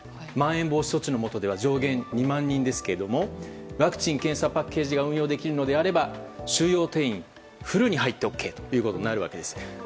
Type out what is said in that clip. まん延防止措置のもとでは上限２万人ですけどワクチン・検査パッケージが運用できるのであれば収容定員フルに入ってＯＫということになるわけです。